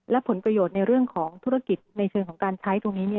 และผลประโยชน์ในเรื่องของธุรกิจในเชิงของการใช้ตรงนี้